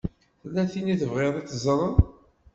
Tella tin i tebɣiḍ ad teẓṛeḍ?